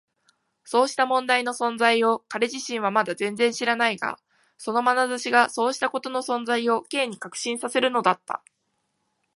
そうした問題の存在を彼自身はまだ全然知らないが、そのまなざしがそうしたことの存在を Ｋ に確信させるのだった。